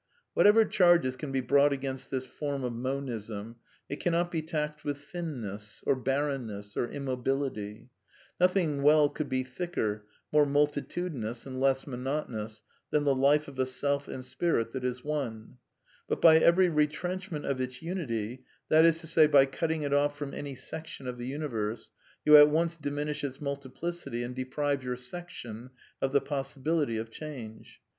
Whatever charges can be brought against this form of Monism, it cannot be taxed with "thinness," or barren ness, or immobility. Nothing could well be thicker, more multitudinous and less monotonous than the life of a Self and Spirit that is one. But by every retrench ment of its unity — that is to say, by cutting it off from any section of the universe — you at once diminish its multiplicity and deprive your section of the possibility of change.